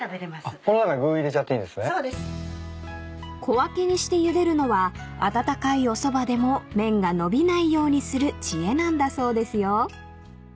［小分けにしてゆでるのは温かいおそばでも麺が伸びないようにする知恵なんだそうですよ］